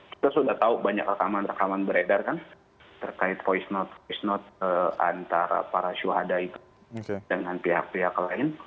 kita sudah tahu banyak rekaman rekaman beredar kan terkait voice notes note antara para syuhada itu dengan pihak pihak lain